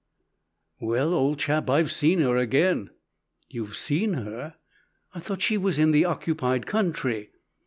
"Well, old chap, I've seen her again." "You've seen her? I thought she was in the occupied country?"